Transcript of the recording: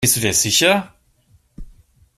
Bist du dir sicher?